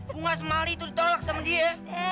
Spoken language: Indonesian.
bunga semali itu ditolak sama dia